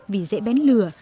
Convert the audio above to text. vì dễ bén lửa